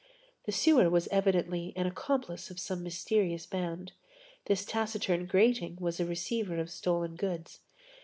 The sewer was evidently an accomplice of some mysterious band. This taciturn grating was a receiver of stolen goods.